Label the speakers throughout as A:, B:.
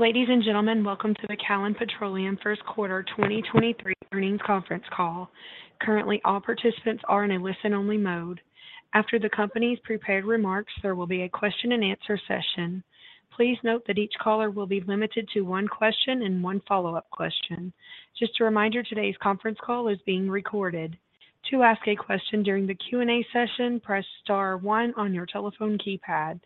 A: Ladies and gentlemen, welcome to the Callon Petroleum First Quarter 2023 Earnings Conference Call. Currently, all participants are in a listen-only mode. After the company's prepared remarks, there will be a question-and-answer session. Please note that each caller will be limited to one question and one follow-up question. Just a reminder, today's conference call is being recorded. To ask a question during the Q&A session, press star one on your telephone keypad.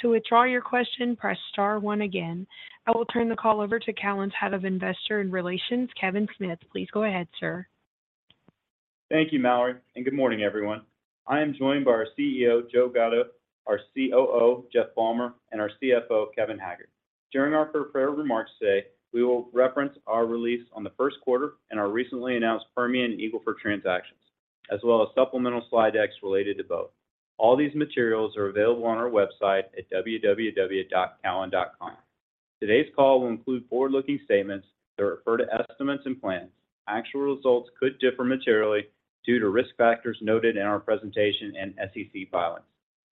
A: To withdraw your question, press star one again. I will turn the call over to Callon's Head of Investor and Relations, Kevin Smith. Please go ahead, sir.
B: Thank you, Mallory. Good morning, everyone. I am joined by our CEO, Joe Gatto, our COO, Jeff Balmer, and our CFO, Kevin Haggard. During our prepared remarks today, we will reference our release on the first quarter and our recently announced Permian and Eagle Ford transactions, as well as supplemental slide decks related to both. All these materials are available on our website at www.callon.com. Today's call will include forward-looking statements that refer to estimates and plans. Actual results could differ materially due to risk factors noted in our presentation and SEC filings.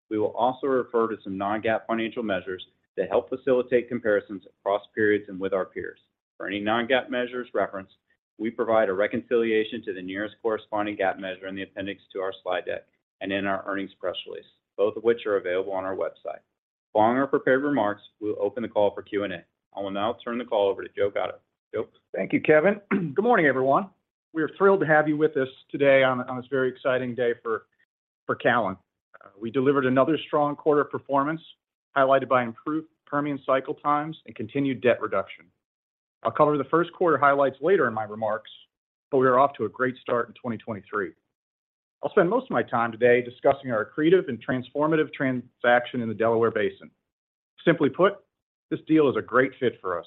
B: We will also refer to some non-GAAP financial measures that help facilitate comparisons across periods and with our peers. For any non-GAAP measures referenced, we provide a reconciliation to the nearest corresponding GAAP measure in the appendix to our slide deck and in our earnings press release, both of which are available on our website. Following our prepared remarks, we'll open the call for Q&A. I will now turn the call over to Joe Gatto. Joe?
C: Thank you Kevin. Good morning, everyone. We are thrilled to have you with us today on this very exciting day for Callon. We delivered another strong quarter of performance, highlighted by improved Permian cycle times and continued debt reduction. I'll cover the first quarter highlights later in my remarks. We are off to a great start in 2023. I'll spend most of my time today discussing our accretive and transformative transaction in the Delaware Basin. Simply put, this deal is a great fit for us.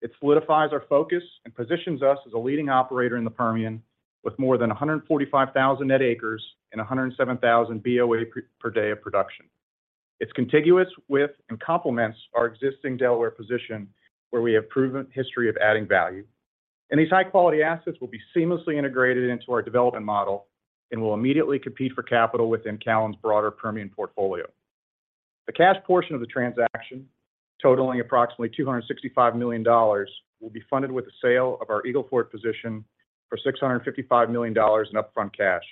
C: It solidifies our focus and positions us as a leading operator in the Permian with more than 145,000 net acres and 107,000 BOE per day of production. It's contiguous with and complements our existing Delaware position where we have proven history of adding value. These high-quality assets will be seamlessly integrated into our development model and will immediately compete for capital within Callon's broader Permian portfolio. The cash portion of the transaction, totaling approximately $265 million, will be funded with the sale of our Eagle Ford position for $655 million in upfront cash.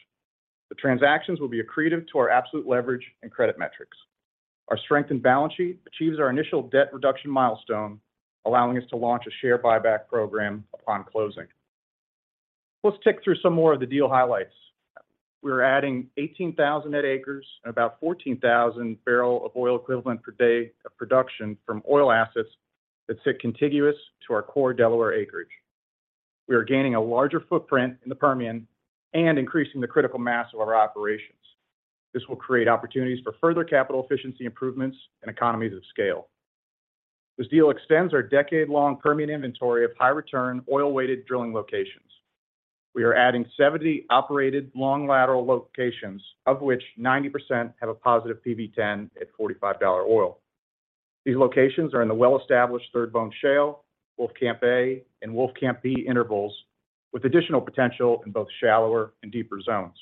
C: The transactions will be accretive to our absolute leverage and credit metrics. Our strengthened balance sheet achieves our initial debt reduction milestone, allowing us to launch a share buyback program upon closing. Let's tick through some more of the deal highlights. We're adding 18,000 net acres and about 14,000 BOE per day of production from oil assets that sit contiguous to our core Delaware acreage. We are gaining a larger footprint in the Permian and increasing the critical mass of our operations. This will create opportunities for further capital efficiency improvements and economies of scale. This deal extends our decade-long Permian inventory of high-return oil-weighted drilling locations. We are adding 70 operated long lateral locations, of which 90% have a positive PV-10 at $45 oil. These locations are in the well-established Third Bone Shale, Wolfcamp A, and Wolfcamp B intervals, with additional potential in both shallower and deeper zones.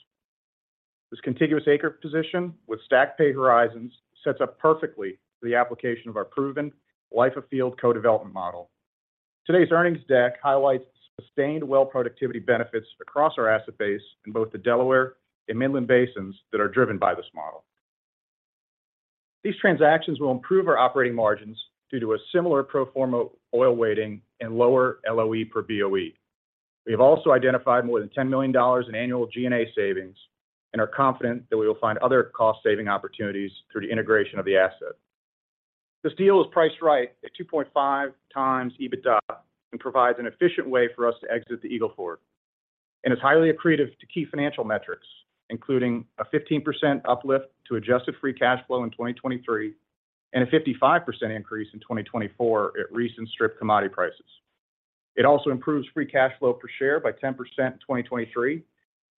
C: This contiguous acre position with stack pay horizons sets up perfectly for the application of our proven life of field co-development model. Today's earnings deck highlights sustained well productivity benefits across our asset base in both the Delaware and Midland basins that are driven by this model. These transactions will improve our operating margins due to a similar pro forma oil weighting and lower LOE per BOE. We have also identified more than $10 million in annual G&A savings and are confident that we will find other cost-saving opportunities through the integration of the asset. This deal is priced right at 2.5x EBITDA and provides an efficient way for us to exit the Eagle Ford, and is highly accretive to key financial metrics, including a 15% uplift to adjusted free cash flow in 2023 and a 55% increase in 2024 at recent strip commodity prices. It also improves free cash flow per share by 10% in 2023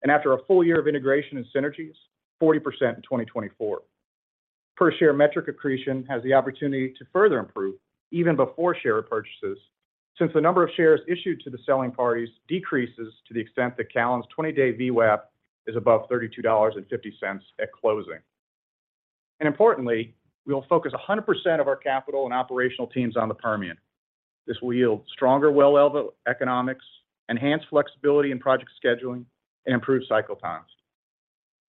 C: and after a full year of integration and synergies, 40% in 2024. Per share metric accretion has the opportunity to further improve even before share purchases since the number of shares issued to the selling parties decreases to the extent that Callon's 20-day VWAP is above $32.50 at closing. Importantly, we will focus 100% of our capital and operational teams on the Permian. This will yield stronger well-level economics, enhanced flexibility in project scheduling, and improved cycle times.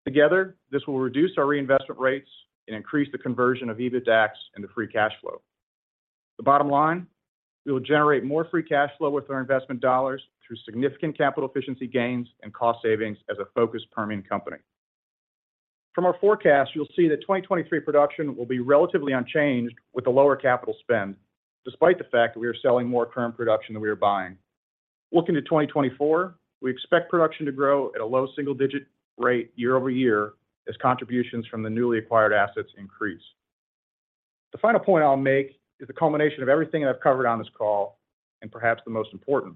C: Together, this will reduce our reinvestment rates and increase the conversion of EBITDAX into free cash flow. The bottom line, we will generate more free cash flow with our investment dollars through significant capital efficiency gains and cost savings as a focused Permian company. From our forecast you'll see that 2023 production will be relatively unchanged with a lower capital spend despite the fact that we are selling more current production than we are buying. Looking to 2024, we expect production to grow at a low single-digit rate year-over-year as contributions from the newly acquired assets increase. The final point I'll make is a culmination of everything that I've covered on this call and perhaps the most important.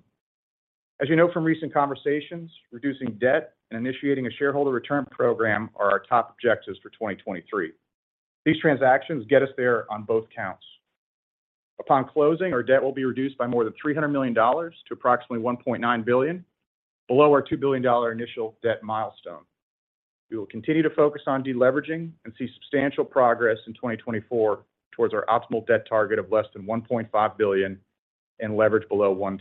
C: As you know from recent conversations, reducing debt and initiating a shareholder return program are our top objectives for 2023. These transactions get us there on both counts. Upon closing, our debt will be reduced by more than $300 million to approximately $1.9 billion, below our $2 billion initial debt milestone. We will continue to focus on deleveraging and see substantial progress in 2024 towards our optimal debt target of less than $1.5 billion and leverage below 1x.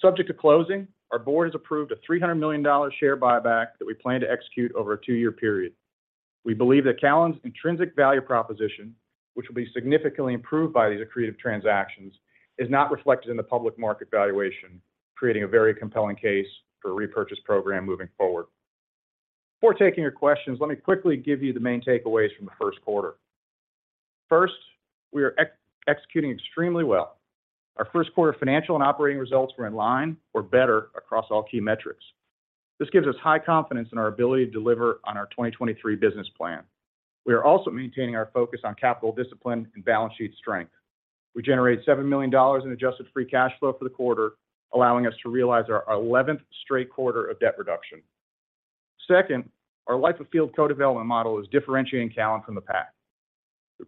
C: Subject to closing, our board has approved a $300 million share buyback that we plan to execute over a two-year period. We believe that Callon's intrinsic value proposition which will be significantly improved by these accretive transactions, is not reflected in the public market valuation, creating a very compelling case for a repurchase program moving forward. Before taking your questions, let me quickly give you the main takeaways from the first quarter. First we are executing extremely well. Our first quarter financial and operating results were in line or better across all key metrics. This gives us high confidence in our ability to deliver on our 2023 business plan. We are also maintaining our focus on capital discipline and balance sheet strength. We generated $7 million in adjusted free cash flow for the quarter, allowing us to realize our 11th straight quarter of debt reduction. Second, our life of field co-development model is differentiating Callon from the pack. We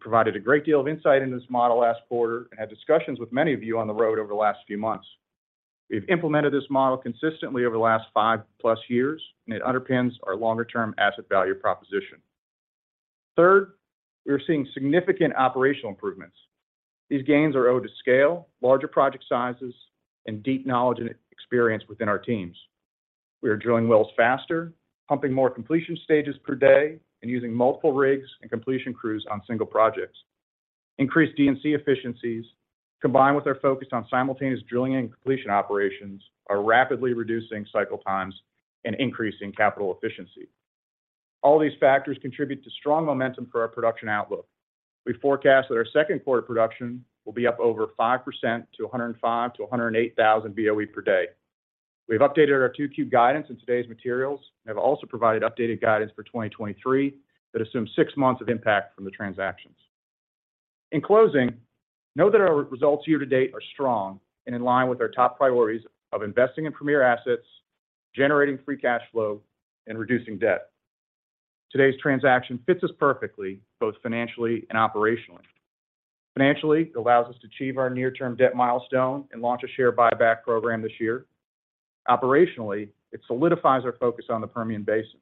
C: provided a great deal of insight into this model last quarter and had discussions with many of you on the road over the last few months. We've implemented this model consistently over the last 5-plus years, and it underpins our longer-term asset value proposition. Third, we are seeing significant operational improvements. These gains are owed to scale, larger project sizes, and deep knowledge and experience within our teams. We are drilling wells faster, pumping more completion stages per day, and using multiple rigs and completion crews on single projects. Increased D&C efficiencies, combined with our focus on simultaneous drilling and completion operations, are rapidly reducing cycle times and increasing capital efficiency. All these factors contribute to strong momentum for our production outlook. We forecast that our second quarter production will be up over 5% to 105,000-108,000 BOE per day. We've updated our 2Q guidance in today's materials and have also provided updated guidance for 2023 that assumes six months of impact from the transactions. In closing, know that our results year to date are strong and in line with our top priorities of investing in premier assets, generating free cash flow, and reducing debt. Today's transaction fits us perfectly, both financially and operationally. Financially, it allows us to achieve our near-term debt milestone and launch a share buyback program this year. Operationally it solidifies our focus on the Permian Basin.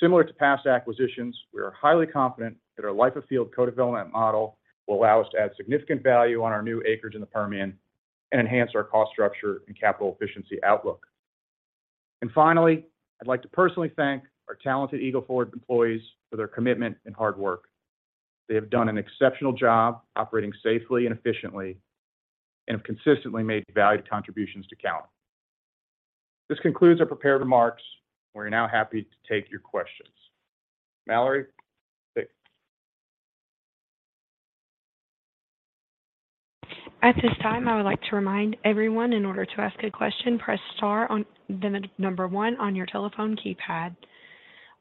C: Similar to past acquisitions, we are highly confident that our life of field co-development model will allow us to add significant value on our new acreage in the Permian and enhance our cost structure and capital efficiency outlook. Finally, I'd like to personally thank our talented Eagle Ford employees for their commitment and hard work. They have done an exceptional job operating safely and efficiently and have consistently made valued contributions to Callon. This concludes our prepared remarks. We're now happy to take your questions. Mallory, take it.
A: At this time, I would like to remind everyone in order to ask a question, press star then the number one on your telephone keypad.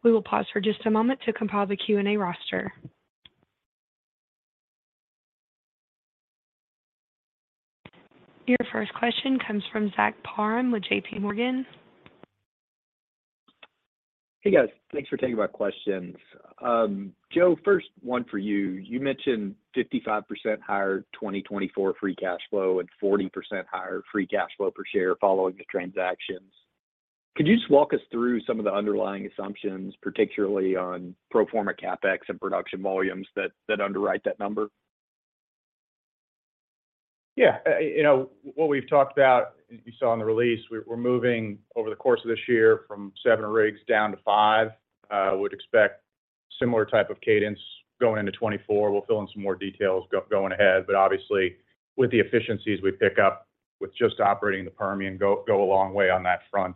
A: We will pause for just a moment to compile the Q&A roster. Your first question comes from Zach Parham with JPMorgan.
D: Hey, guys. Thanks for taking my questions. Joe, first one for you. You mentioned 55% higher 2024 free cash flow and 40% higher free cash flow per share following the transactions. Could you just walk us through some of the underlying assumptions, particularly on pro forma CapEx and production volumes that underwrite that number?
C: Yeah. You know, what we've talked about as you saw in the release, we're moving over the course of this year from seven rigs down to five. Would expect similar type of cadence going into 2024. We'll fill in some more details going ahead. Obviously, with the efficiencies we pick up with just operating the Permian go a long way on that front.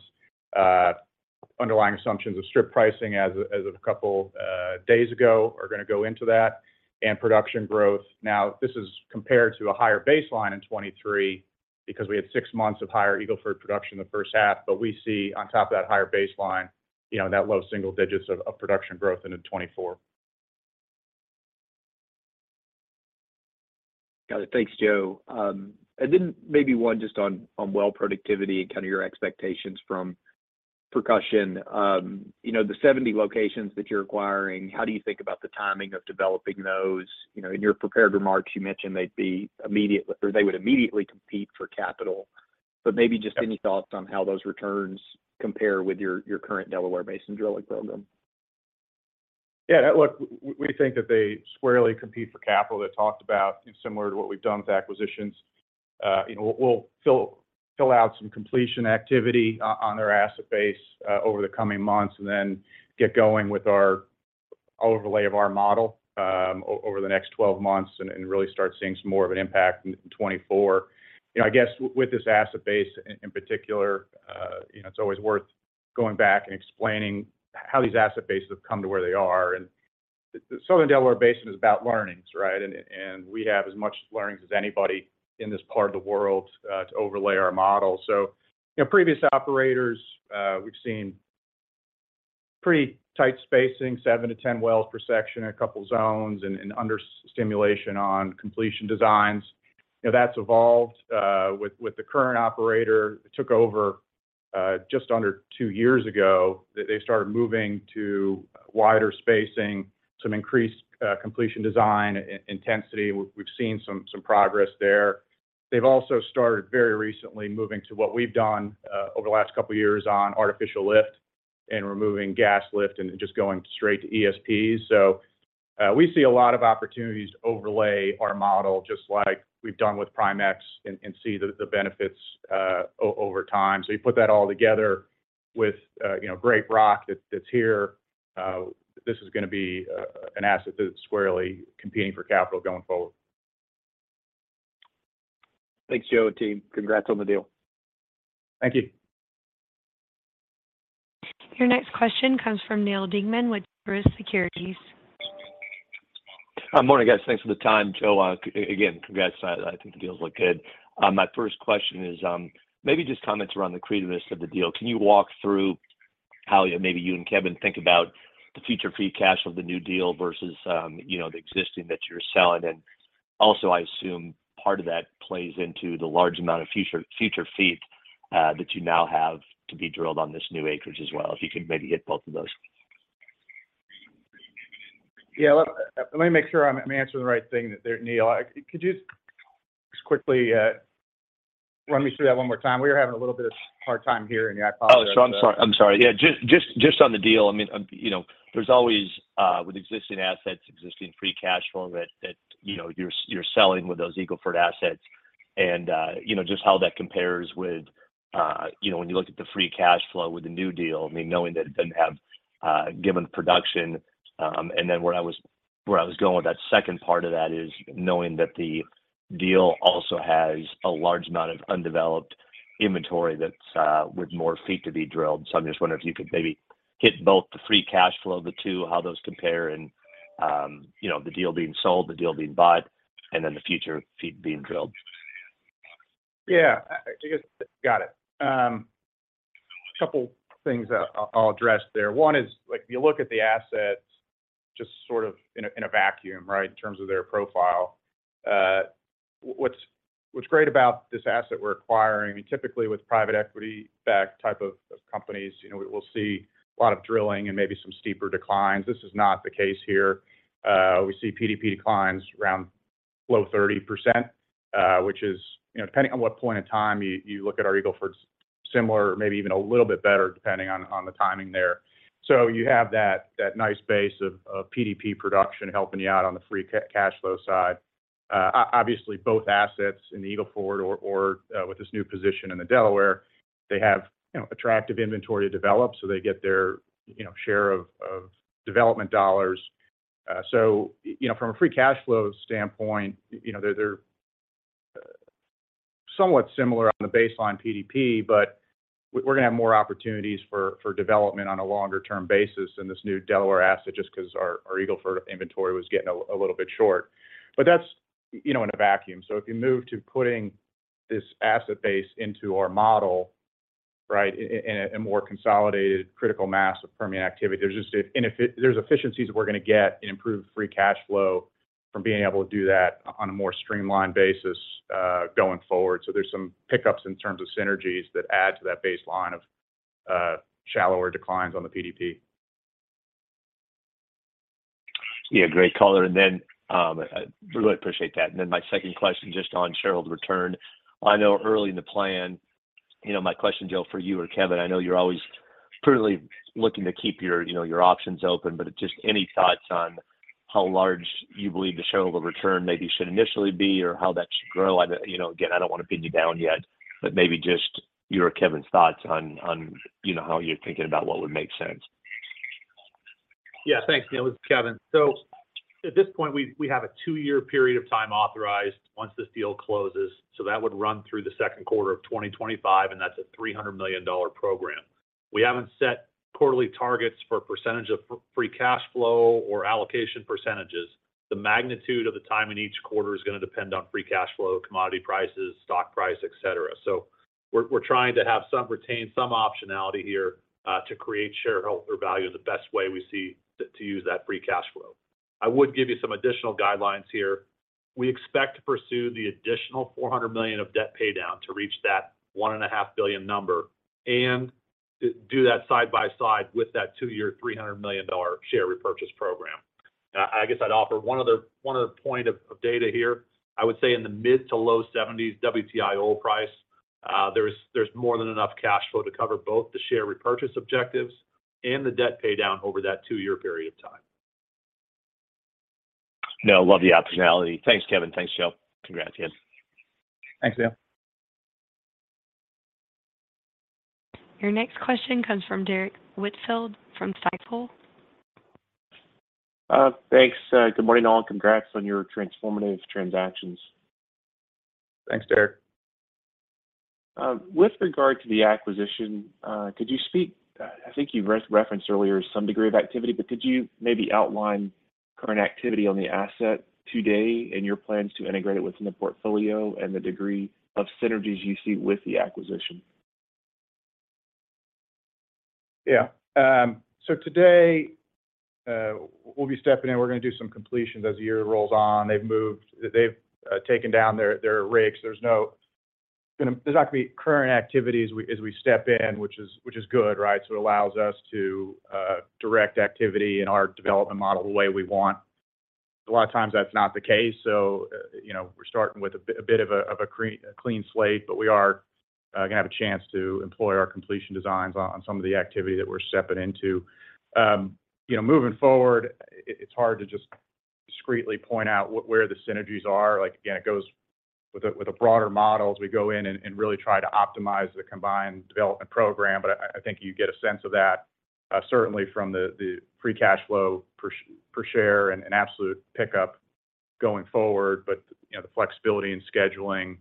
C: Underlying assumptions of strip pricing as of a couple days ago are gonna go into that and production growth. Now this is compared to a higher baseline in 2023 because we had 6 months of higher Eagle Ford production in the first half. We see on top of that higher baseline, you know, that low single digits of production growth into 2024.
D: Got it. Thanks, Joe. Then maybe one just on well productivity and kind of your expectations from Percussion. You know, the 70 locations that you're acquiring, how do you think about the timing of developing those? You know, in your prepared remarks, you mentioned they would immediately compete for capital. Maybe just any thoughts on how those returns compare with your current Delaware Basin drilling program.
C: Yeah. Look, we think that they squarely compete for capital. They talked about, you know, similar to what we've done with acquisitions. You know, we'll fill out some completion activity on their asset base over the coming months, and then get going with our overlay of our model over the next 12 months and really start seeing some more of an impact in 2024. You know, I guess with this asset base in particular, you know, it's always worth going back and explaining how these asset bases have come to where they are. The Southern Delaware Basin is about learnings, right? We have as much learnings as anybody in this part of the world to overlay our model. You know, previous operators, we've seen pretty tight spacing, 7-10 wells per section in a couple zones and under stimulation on completion designs. You know, that's evolved with the current operator that took over just under two years ago. They started moving to wider spacing, some increased completion design intensity. We've seen some progress there. They've also started very recently moving to what we've done over the last couple of years on artificial lift and removing gas lift and just going straight to ESPs. We see a lot of opportunities to overlay our model, just like we've done with Primexx and see the benefits over time. You put that all together with, you know, great rock that's here. This is gonna be an asset that is squarely competing for capital going forward.
D: Thanks, Joe and team. Congrats on the deal.
C: Thank you.
A: Your next question comes from Neal Dingmann with Truist Securities.
E: Good morning, guys. Thanks for the time. Joe again, congrats. I think the deals look good. My first question is, maybe just comments around the creativeness of the deal. Can you walk through how you, maybe you and Kevin think about the future free cash of the new deal versus, you know, the existing that you're selling? Also I assume part of that plays into the large amount of future feet that you now have to be drilled on this new acreage as well. If you could maybe hit both of those?
C: Yeah, let me make sure I'm answering the right thing there, Neal. Could you just quickly run me through that one more time? We are having a little bit of hard time here, I apologize.
E: Oh, sure. I'm sorry. I'm sorry. Yeah, just on the deal. I mean, you know there's always with existing assets, existing free cash flow that, you know, you're selling with those Eagle Ford assets. You know, just how that compares with, you know, when you look at the free cash flow with the new deal, I mean, knowing that it doesn't have given production. Where I was going with that second part of that is knowing that the deal also has a large amount of undeveloped inventory that's with more feet to be drilled. So, I'm just wondering if you could maybe hit both the free cash flow of the two, how those compare, and, you know, the deal being sold, the deal being bought, and then the future feet being drilled.
C: Yeah. I think it's - got it. A couple things that I'll address there. One is, like if you look at the assets just sort of in a vacuum, right, in terms of their profile, what's great about this asset we're acquiring, I mean, typically with private equity backed type of companies, you know, we'll see a lot of drilling and maybe some steeper declines. This is not the case here. We see PDP declines around low 30%, which is, you know, depending on what point in time you look at our Eagle Ford similar, maybe even a little bit better, depending on the timing there. So you have that nice base of PDP production helping you out on the free cash flow side. Obviously, both assets in the Eagle Ford or with this new position in the Delaware, they have, you know, attractive inventory to develop, so they get their, you know, share of development dollars. From a free cash flow standpoint, you know, they're somewhat similar on the baseline PDP, but we're gonna have more opportunities for development on a longer-term basis in this new Delaware asset, just 'cause our Eagle Ford inventory was getting a little bit short. That's, you know, in a vacuum. If you move to putting this asset base into our model, right, in a more consolidated critical mass of Permian activity, there's efficiencies we're gonna get in improved free cash flow from being able to do that on a more streamlined basis going forward. There's some pickups in terms of synergies that add to that baseline of shallower declines on the PDP.
E: Yeah, great color. I really appreciate that. My second question, just on sharehold return. I know early in the plan, you know, my question, Joe, for you or Kevin, I know you're always prudently looking to keep your, you know, your options open, but just any thoughts on how large you believe the sharehold return maybe should initially be or how that should grow? You know, again, I don't want to pin you down yet, but maybe just your or Kevin's thoughts on, you know, how you're thinking about what would make sense.
F: Yeah. Thanks, Neal. This is Kevin. At this point, we have a two-year period of time authorized once this deal closes. That would run through the second quarter of 2025, and that's a $300 million program. We haven't set quarterly targets for percentage of free cash flow or allocation %. The magnitude of the time in each quarter is gonna depend on free cash flow, commodity prices, stock price, etc. We're trying to retain some optionality here to create shareholder value the best way we see to use that free cash flow. I would give you some additional guidelines here. We expect to pursue the additional $400 million of debt paydown to reach that one and a half billion number, and to do that side by side with that two-year $300 million share repurchase program.
C: I guess I'd offer one other point of data here. I would say in the mid to low 70s WTI oil price, there's more than enough cash flow to cover both the share repurchase objectives and the debt paydown over that 2-year period of time.
E: No, love the optionality. Thanks, Kevin. Thanks, Joe. Congrats again.
C: Thanks, Neal.
A: Your next question comes from Derrick Whitfield from Stifel.
G: Thanks. Good morning, all. Congrats on your transformative transactions.
C: Thanks, Derrick.
G: With regard to the acquisition, I think you re-referenced earlier some degree of activity. Could you maybe outline current activity on the asset today and your plans to integrate it within the portfolio and the degree of synergies you see with the acquisition?
C: Yeah. Today, we'll be stepping in. We're gonna do some completions as the year rolls on. They've taken down their rigs. There's not gonna be current activities we, as we step in, which is good, right? It allows us to direct activity in our development model the way we want. A lot of times that's not the case. You know, we're starting with a clean slate, we are gonna have a chance to employ our completion designs on some of the activity that we're stepping into. You know, moving forward, it's hard to just discreetly point out where the synergies are. Like again, it goes with a broader model as we go in and really try to optimize the combined development program. I think you get a sense of that, certainly from the free cash flow per share and absolute pickup going forward. You know, the flexibility in scheduling,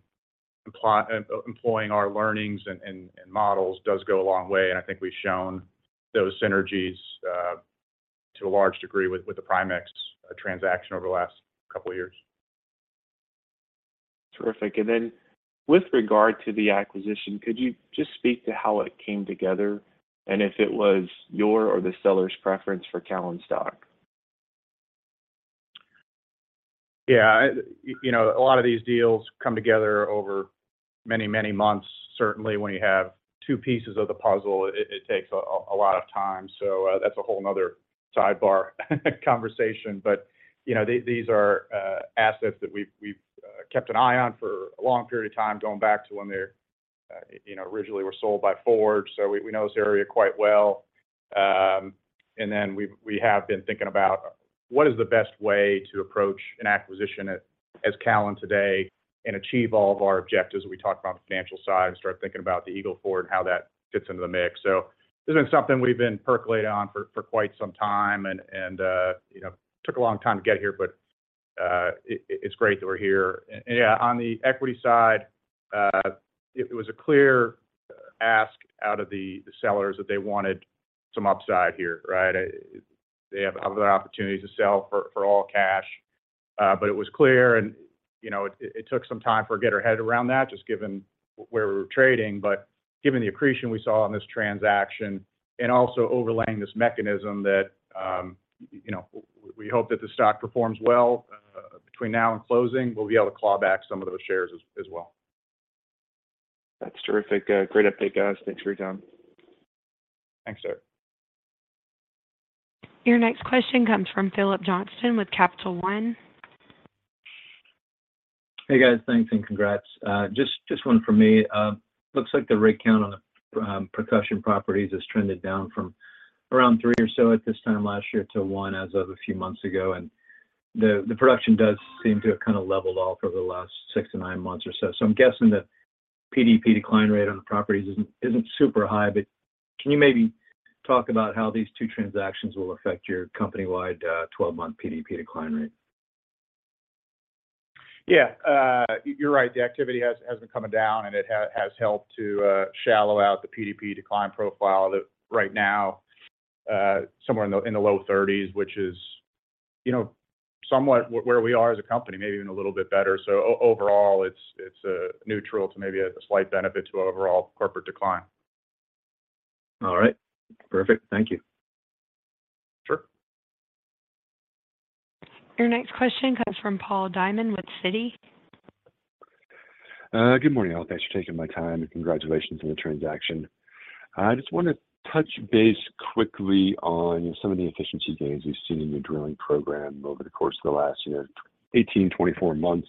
C: employing our learnings and models does go a long way. I think we've shown those synergies to a large degree with the Primexx transaction over the last couple of years.
G: Terrific. Then with regard to the acquisition, could you just speak to how it came together and if it was your or the seller's preference for Callon stock?
C: Yeah. You know, a lot of these deals come together over many, many months. Certainly when you have two pieces of the puzzle, it takes a lot of time. That's a whole another sidebar conversation. You know, these are assets that we've kept an eye on for a long period of time, going back to when they're, you know, originally were sold by Forge. We know this area quite well. And then we have been thinking about what is the best way to approach an acquisition as Callon today and achieve all of our objectives. We talked about the financial side and start thinking about the Eagle Ford and how that fits into the mix. This has been something we've been percolating on for quite some time and, you know, took a long time to get here, but it's great that we're here. Yeah, on the equity side, it was a clear ask out of the sellers that they wanted some upside here, right? They have other opportunities to sell for all cash. But it was clear and you know, it took some time for get our head around that, just given where we were trading. Given the accretion we saw on this transaction and also overlaying this mechanism that, you know, we hope that the stock performs well, between now and closing, we'll be able to claw back some of those shares as well.
G: That's terrific. Great update, guys. Thanks for your time.
C: Thanks, sir.
A: Your next question comes from Phillips Johnston with Capital One.
H: Hey, guys. Thanks. Congrats. Just one for me. Looks like the rig count on Percussion properties has trended down from around 3 or so at this time last year to 1 as of a few months ago, and the production does seem to have kind of leveled off over the last six to nine months or so. I'm guessing the PDP decline rate on the properties isn't super high. Can you maybe talk about how these two transactions will affect your company-wide 12-month PDP decline rate?
C: Yeah. you're right. The activity has been coming down, and it has helped to shallow out the PDP decline profile that right now, somewhere in the low 30s, which is, you know, somewhat where we are as a company, maybe even a little bit better. Overall, it's neutral to maybe a slight benefit to overall corporate decline.
H: All right. Perfect. Thank you.
C: Sure.
A: Your next question comes from Paul Diamond with Citi.
I: Good morning, all. Thanks for taking my time, and congratulations on the transaction. I just wanna touch base quickly on some of the efficiency gains we've seen in your drilling program over the course of the last, you know, 18, 24 months.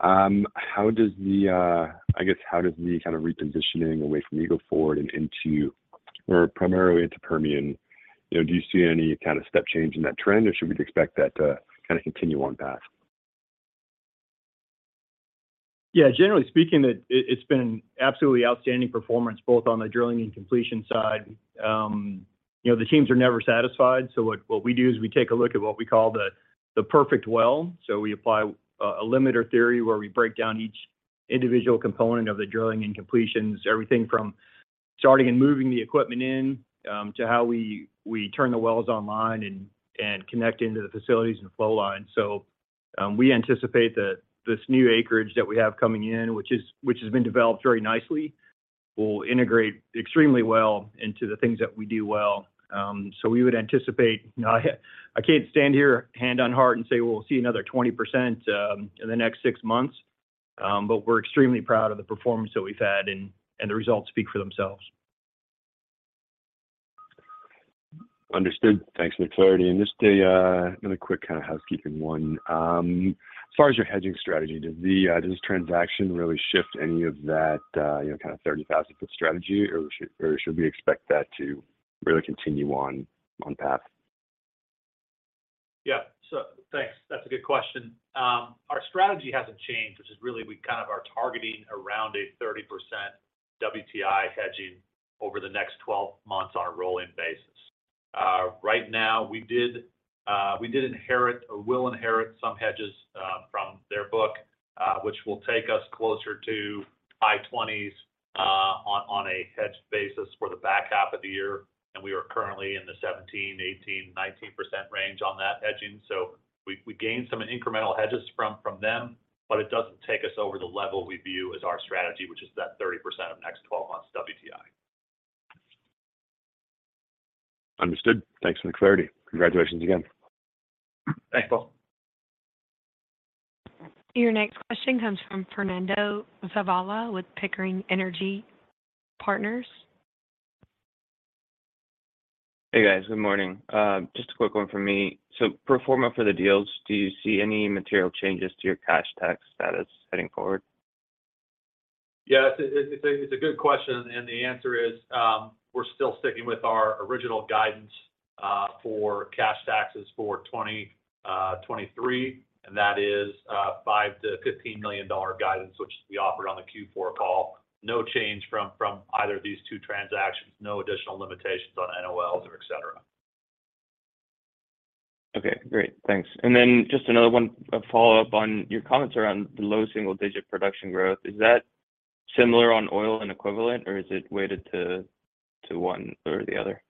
I: How does the, I guess, how does the kind of repositioning away from Eagle Ford and into or primarily into Permian, you know, do you see any kind of step change in that trend, or should we expect that to kind of continue on path?
C: Yeah, generally speaking, it's been absolutely outstanding performance both on the drilling and completion side. You know, the teams are never satisfied. What we do is we take a look at what we call the perfect well. We apply a limiter theory where we break down each individual component of the drilling and completions, everything from starting and moving the equipment in, to how we turn the wells online and connect into the facilities and flow line. We anticipate that this new acreage that we have coming in, which has been developed very nicely, will integrate extremely well into the things that we do well. We would anticipate - Now, I can't stand here hand on heart and say, "We'll see another 20% in the next six months," but we're extremely proud of the performance that we've had, and the results speak for themselves.
I: Understood. Thanks for the clarity. A quick kind of housekeeping one. As far as your hedging strategy, does the does this transaction really shift any of that, you know, kind of 30,000-foot strategy or should we expect that to really continue on path?
C: Yeah. Thanks. That's a good question. Our strategy hasn't changed, which is really we kind of are targeting around a 30% WTI hedging over the next 12 months on a rolling basis. Right now, we did, we did inherit or will inherit some hedges from their book, which will take us closer to high 20s on a hedged basis for the back half of the year. We are currently in the 17%, 18%, 19% range on that hedging. We gained some incremental hedges from them, but it doesn't take us over the level we view as our strategy, which is that 30% of next 12 months WTI.
I: Understood. Thanks for the clarity. Congratulations again.
C: Thanks, Paul.
A: Your next question comes from Fernando Zavala with Pickering Energy Partners.
J: Hey, guys. Good morning. Just a quick one from me. Pro forma for the deals, do you see any material changes to your cash tax status heading forward?
C: Yes, it's a good question and the answer is we're still sticking with our original guidance for cash taxes for 2023, and that is $5 million-$15 million guidance, which we offered on the Q4 call. No change from either of these two transactions. No additional limitations on NOLs or et cetera.
J: Okay, great. Thanks. Just another one, a follow-up on your comments around the low single-digit production growth. Is that similar on oil and equivalent, or is it weighted to one or the other?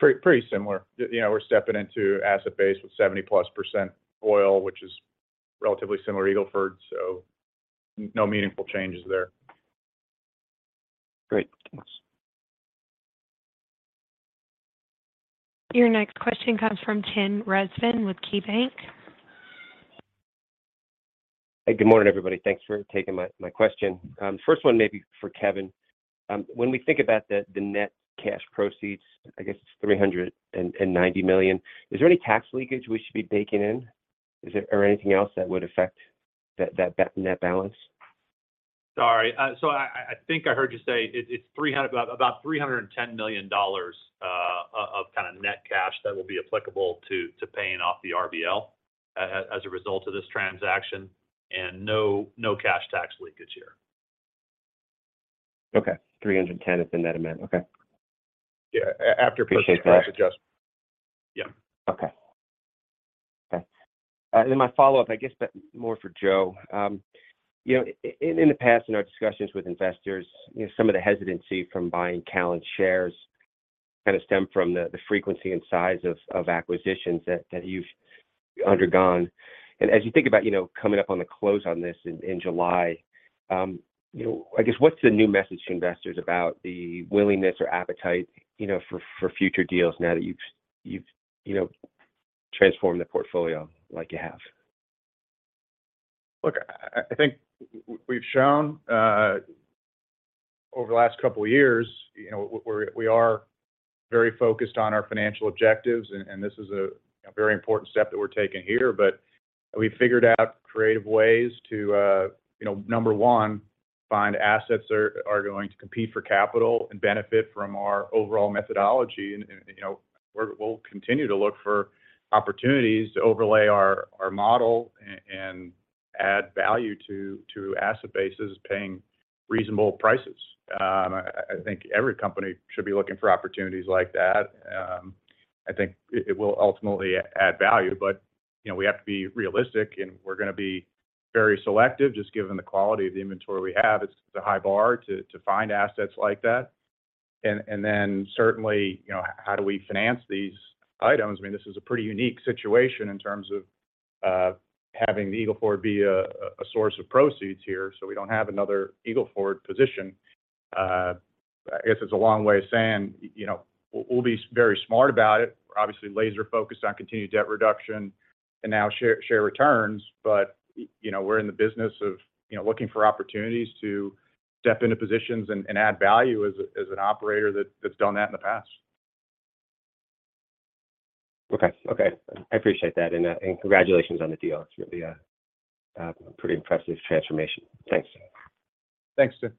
C: Pretty similar. You know, we're stepping into asset base with 70%+ oil, which is relatively similar to Eagle Ford. No meaningful changes there.
J: Great. Thanks.
A: Your next question comes from Tim Rezvan with KeyBanc.
K: Hey, good morning everybody. Thanks for taking my question. First one maybe for Kevin. When we think about the net cash proceeds, I guess it's $390 million, is there any tax leakage we should be baking in, or anything else that would affect that net balance?
F: Sorry. I think I heard you say $310 million of net cash that will be applicable to paying off the RBL as a result of this transaction, no cash tax leakage here.
K: Okay. $310 is the net amount. Okay.
F: Yeah. After purchase price adjust -
K: Appreciate that.
C: Yeah.
K: Okay. then my follow-up, I guess that more for Joe. you know, in the past, in our discussions with investors, you know, some of the hesitancy from buying Callon shares kinda stem from the frequency and size of acquisitions that you've undergone. As you think about, you know, coming up on the close on this in July, you know, I guess what's the new message to investors about the willingness or appetite, you know, for future deals now that you've, you know, transformed the portfolio like you have?
C: Look, I think we've shown over the last couple of years, you know, we are very focused on our financial objectives and this is a very important step that we're taking here. We've figured out creative ways to, you know, number one, find assets are going to compete for capital and benefit from our overall methodology. You know, we'll continue to look for opportunities to overlay our model and add value to asset bases paying reasonable prices. I think every company should be looking for opportunities like that. I think it will ultimately add value, but, you know, we have to be realistic, and we're gonna be very selective just given the quality of the inventory we have. It's a high bar to find assets like that. Certainly, you know, how do we finance these items? I mean, this is a pretty unique situation in terms of having the Eagle Ford be a source of proceeds here, so we don't have another Eagle Ford position. I guess it's a long way of saying, you know, we'll be very smart about it. We're obviously laser focused on continued debt reduction and now share returns. You know, we're in the business of, you know, looking for opportunities to step into positions and add value as an operator that's done that in the past.
K: Okay. I appreciate that, and congratulations on the deal. It's gonna be a pretty impressive transformation. Thanks.
C: Thanks, Tim.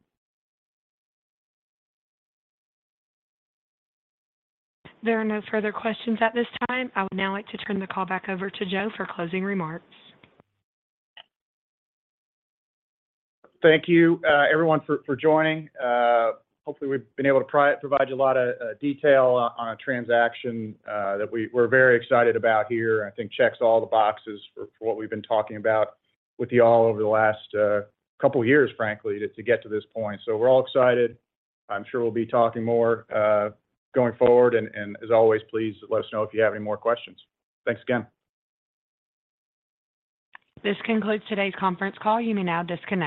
A: There are no further questions at this time. I would now like to turn the call back over to Joe for closing remarks.
C: Thank you, everyone for joining. Hopefully, we've been able to provide you a lot of detail on a transaction that we're very excited about here. I think checks all the boxes for what we've been talking about with you all over the last couple of years, frankly, to get to this point. We're all excited. I'm sure we'll be talking more going forward. As always, please let us know if you have any more questions. Thanks again.
A: This concludes today's conference call. You may now disconnect.